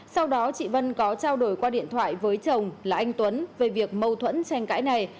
sau đó chị vân có trao đổi qua điện thoại với chồng là anh tuấn về việc mâu thuẫn tranh cãi này